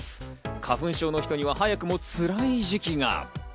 花粉症の人には早くも、つらい時期が。